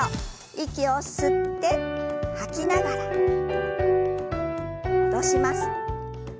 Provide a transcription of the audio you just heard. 息を吸って吐きながら戻します。